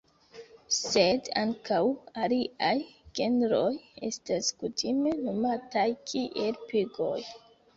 Sed ankaŭ aliaj genroj estas kutime nomataj kiel "pigoj".